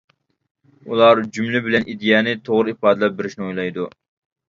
ئۇلار جۈملە بىلەن ئىدىيەنى توغرا ئىپادىلەپ بېرىشنى ئويلايدۇ.